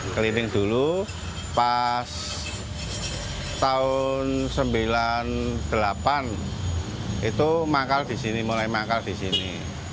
keliling dulu pas tahun seribu sembilan ratus sembilan puluh delapan itu makal di sini mulai manggal di sini